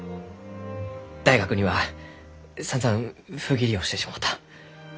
大学にはさんざん不義理をしてしもうた。